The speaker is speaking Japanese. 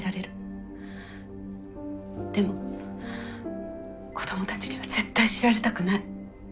でも子どもたちには絶対知られたくない。